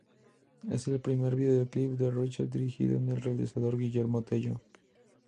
Es el primer videoclip de Richter dirigido por el realizador Guillermo Tello.